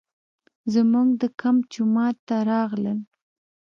زموږ د کمپ جومات ته راغلل.